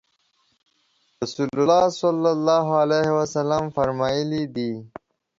رسول الله صلی الله علیه وسلم فرمایلي دي